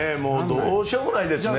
どうしようもないですね。